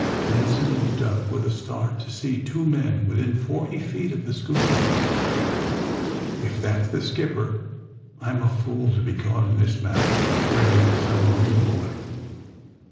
Benson looked up, witb a start, to see two men witbin forty feet of tbe scbooner. ^'If tbat's tbe skipper I'm a fool to be caugbt in tbis manner !'' gritted tbe submarine boy.